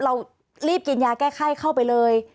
เรารีบกินยาแก้ไข้เข้าไปเลย